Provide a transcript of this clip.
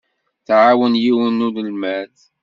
Tɛawen yiwen n unelmad.